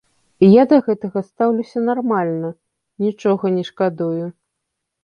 Я да гэтага стаўлюся нармальна, нічога не шкадую.